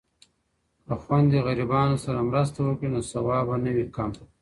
که خویندې غریبانو سره مرسته وکړي نو ثواب به نه وي کم.